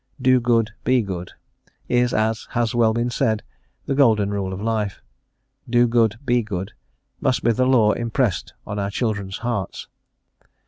"Do good, be good" is, as has been well said, the golden rule of life; "do good, be good" must be the law impressed on our children's hearts.